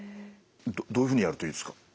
どういうふうにやるといいですか？